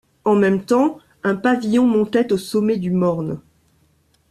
En même temps, un pavillon montait au sommet du morne.